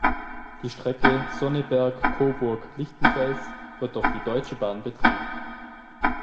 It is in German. Die Strecke Sonneberg-Coburg-Lichtenfels wird durch die Deutsche Bahn betrieben.